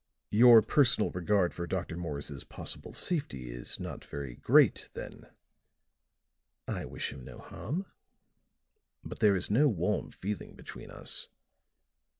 "Your personal regard for Dr. Morse's possible safety is not very great, then?" "I wish him no harm. But there is no warm feeling between us.